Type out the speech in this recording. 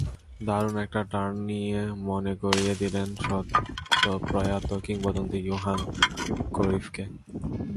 দারুণ একটা টার্ন নিয়ে মনে করিয়ে দিলেন সদ্যপ্রয়াত কিংবদন্তি ইয়োহান ক্রুইফকে।